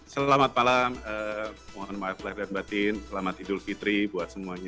selamat malam mohon maaf lahir dan batin selamat idul fitri buat semuanya